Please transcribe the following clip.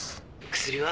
薬は？